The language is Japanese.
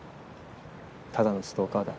ただのストーカーだ。